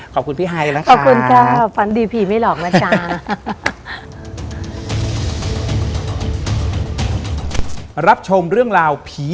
ขอบคุณพี่ไฮแล้วค่ะ